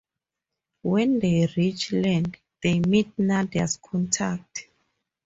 When they reach land, they meet Nadia's contact.